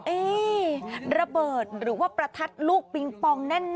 เอ๊ะระเบิดหรือว่าประทัดลูกปิงปองแน่นอ